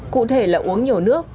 cụ thể là uống nhiều nước